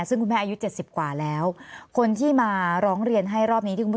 ซึ่งคุณแม่อายุ๗๐กว่าแล้วคนที่มาร้องเรียนให้รอบนี้ที่คุณผู้ชม